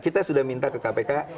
kita sudah minta ke kpk